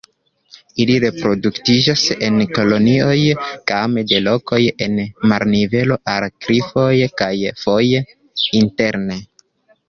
Ili reproduktiĝas en kolonioj game de lokoj el marnivelo al klifoj, kaj foje interne.